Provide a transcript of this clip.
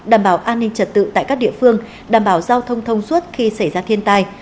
đảm bảo an ninh trật tự tại các địa phương đảm bảo giao thông thông suốt khi xảy ra thiên tai